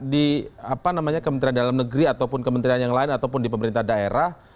di kementerian dalam negeri ataupun kementerian yang lain ataupun di pemerintah daerah